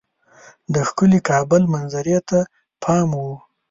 د ښکلي کابل منظرې ته پام وو.